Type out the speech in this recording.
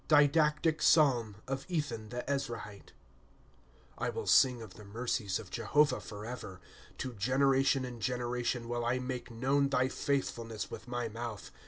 Didactic [Paalm] of Ethan the Ezrahite, ^ I WILL sing of tho mercies of Jehovah forever ; To generation and generation will I make known thy faitli fitlness with ray mouth.